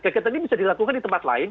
kegiatan ini bisa dilakukan di tempat lain